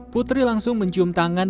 putri langsung mencium tangan